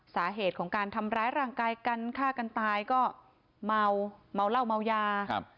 สาเหตุของการทำร้ายร่างกายกันฆ่ากันตายก็เมาเมาเหล้าเมายาครับ